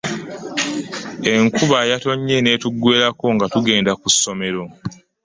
Enkuba yatonye n'etugwerako nga tugenda ku ssomero.